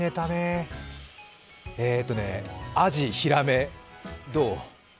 えーとね、あじ、ひらめ、どう？